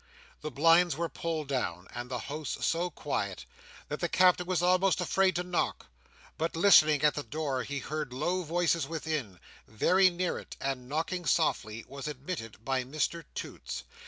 The blinds were pulled down, and the house so quiet, that the Captain was almost afraid to knock; but listening at the door, he heard low voices within, very near it, and, knocking softly, was admitted by Mr Toots.